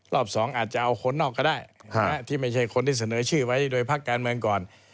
รอบ๒อาจจะเอาคนนอกก็ได้ที่ไม่ใช่คนที่เสนอชื่อไว้โดยพักการเมืองก่อน